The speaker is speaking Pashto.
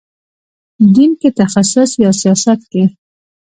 دین کې تخصص یا سیاست کې.